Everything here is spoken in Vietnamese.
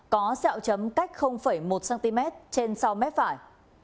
có xeo chấm cách một cm trên sau mép phải